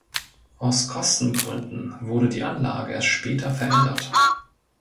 Aus Kostengründen wurde die Anlage erst später verändert.